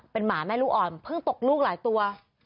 เป็นหมาแม่ลูกอ่อนเพิ่งตกลูกหลายตัว